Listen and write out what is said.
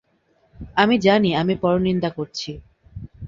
আমি জানি আমি পরনিন্দা করছি।